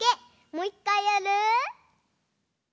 もういっかいやる？